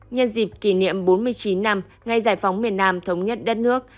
nhân dịp kỷ niệm bốn mươi chín năm ngày giải phóng miền nam thống nhất đất nước